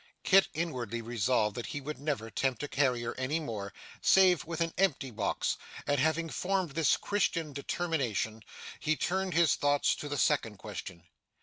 Kit inwardly resolved that he would never tempt a carrier any more, save with an empty box; and having formed this Christian determination, he turned his thoughts to the second question.